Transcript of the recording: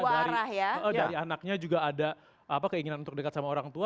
dari anaknya juga ada keinginan untuk dekat sama orang tua